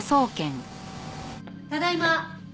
ただいま。